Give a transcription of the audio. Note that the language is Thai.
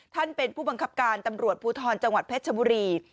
ท่านเป็นผู้บังคับการตำรวจภูทรจังหวัดเพชรชบุรี